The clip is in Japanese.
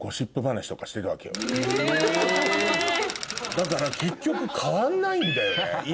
だから結局変わんないんだよね。